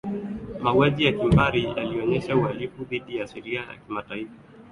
mauaji ya kimbari yalionyesha uhalifu dhidi ya sheria za kimataifa